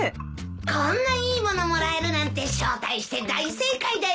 ・こんないい物もらえるなんて招待して大正解だよ！